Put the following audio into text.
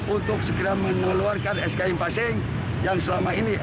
untuk segera mengeluarkan sk impasing yang selama ini